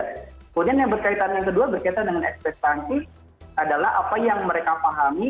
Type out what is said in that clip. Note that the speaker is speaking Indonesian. kemudian yang berkaitan yang kedua berkaitan dengan ekspektasi adalah apa yang mereka pahami